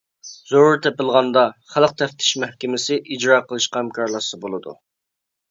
زۆرۈر تېپىلغاندا، خەلق تەپتىش مەھكىمىسى ئىجرا قىلىشقا ھەمكارلاشسا بولىدۇ.